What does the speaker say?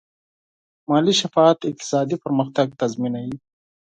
مالي شفافیت اقتصادي پرمختګ تضمینوي.